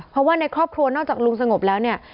เพราะว่าในครอบครัวนอกจากลุงสงบแล้วเนี่ย